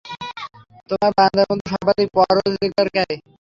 তোমার বান্দাদের মধ্যে সর্বাধিক পরহেজগার কে?